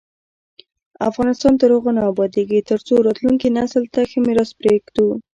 افغانستان تر هغو نه ابادیږي، ترڅو راتلونکي نسل ته ښه میراث پریږدو.